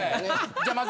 じゃあまず。